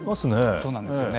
そうなんですよね。